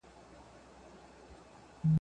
هغه د أسماء بنت ابي بکر خاوند و.